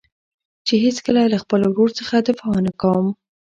چې هېڅکله له خپل ورور څخه دفاع نه کوم.